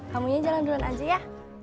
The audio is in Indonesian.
kamunya jalan jalan aja ya